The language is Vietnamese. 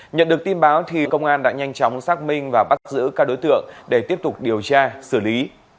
nhận được tin báo thì công an đã nhanh chóng xác minh và bắt giữ các đối tượng để tiếp tục điều tra xử lý